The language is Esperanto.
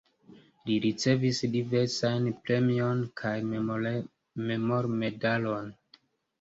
Li ricevis diversajn premion kaj memormedalon.